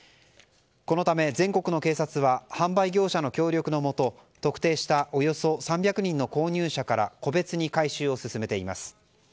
このため、全国の警察は販売業者の協力のもと特定したおよそ３００人の購入者から個別に回収を進めています。